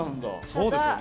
そうですよ。